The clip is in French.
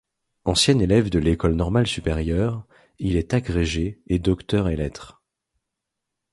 Ancien élève de l'École normale supérieure, il est agrégé et docteur ès lettres.